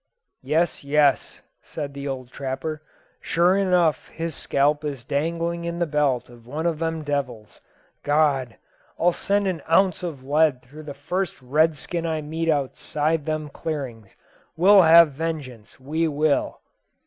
"Yes, yes," said the old trapper, "sure enough his scalp is dangling in the belt of one of them devils. G d! I'll send an ounce of lead through the first red skin I meet outside them clearings. We'll have vengeance we will."